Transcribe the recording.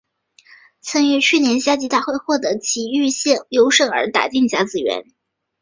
曾于去年夏季大会获得崎玉县优胜而打进甲子园。